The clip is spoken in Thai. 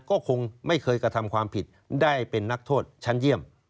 ก็คงไม่เคยกระทำความผิดได้เป็นนักโทษชั้นเยี่ยม